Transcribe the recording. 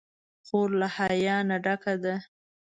خور له حیا نه ډکه ده.